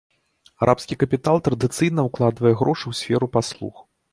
Арабскі капітал традыцыйна укладвае грошы ў сферу паслуг.